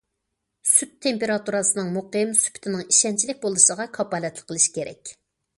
سۈت تېمپېراتۇرىسىنىڭ مۇقىم، سۈپىتىنىڭ ئىشەنچلىك بولۇشىغا كاپالەتلىك قىلىش كېرەك.